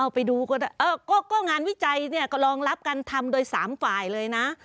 ไปดูก็ได้ก็งานวิจัยเนี่ยก็รองรับการทำโดย๓ฝ่ายเลยนะ